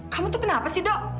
kamu tuh kenapa sih dok